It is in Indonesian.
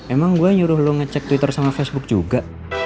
emang gue nyuruh lo ngecek twitter sama facebook juga